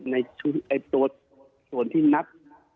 ในส่วนที่นับ